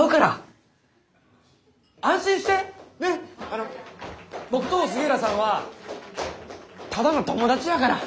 あの僕と杉浦さんはただの友達やから。